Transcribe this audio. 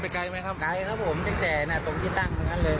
ส่วนสองตายายขี่จักรยานยนต์อีกคันหนึ่งก็เจ็บถูกนำตัวส่งโรงพยาบาลสรรค์กำแพง